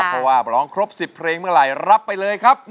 เพราะว่าร้องครบ๑๐เพลงเมื่อไหร่รับไปเลยครับ